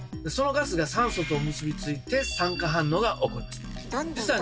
そのガスが酸素と結びついて酸化反応がおこります。